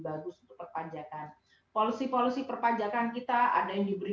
bagus untuk perpajakan polusi polusi perpajakan kita ada yang diberi